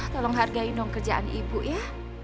tolong hargai dong kerjaan ibu ya